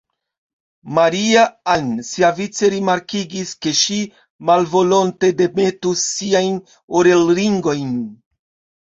Maria-Ann siavice rimarkigis, ke ŝi malvolonte demetus siajn orelringojn.